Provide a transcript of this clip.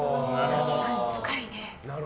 深いね。